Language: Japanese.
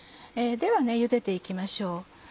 ではゆでて行きましょう。